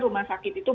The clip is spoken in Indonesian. rumah sakit itu